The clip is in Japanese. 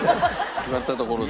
決まったところで。